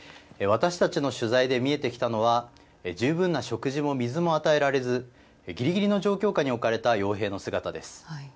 私たちの取材で見えてきたのは十分な食事も水も与えられずぎりぎりの状況下に置かれたよう兵の姿です。